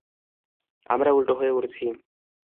আমরা উল্টো হয়ে উড়ছি।